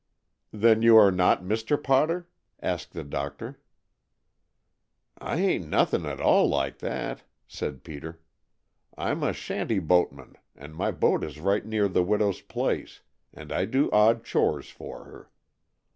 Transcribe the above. "Then you are not Mr. Potter?" asked the doctor. "I ain't nothing at all like that," said Peter. "I'm a shanty boatman and my boat is right near the widow's place, and I do odd chores for her.